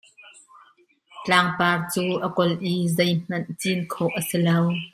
Tlangpar cu a kawlh i zeihmanh cin khawh a si lo.